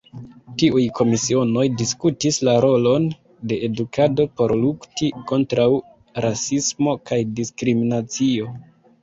Tiuj komisionoj diskutis la rolon de edukado por lukti kontraŭ rasismo kaj diskriminacio.